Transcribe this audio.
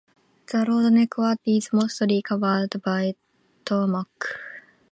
The road network is mostly covered by tarmac.